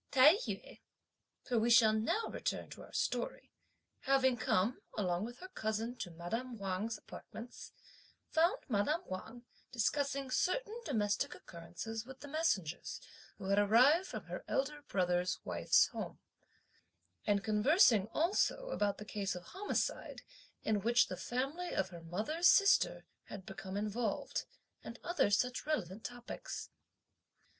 Tai yü, for we shall now return to our story, having come, along with her cousin to madame Wang's apartments, found madame Wang discussing certain domestic occurrences with the messengers, who had arrived from her elder brother's wife's home, and conversing also about the case of homicide, in which the family of her mother's sister had become involved, and other such relevant topics.